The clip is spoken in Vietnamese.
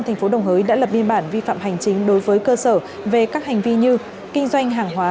thành phố đồng hới đã lập biên bản vi phạm hành chính đối với cơ sở về các hành vi như kinh doanh hàng hóa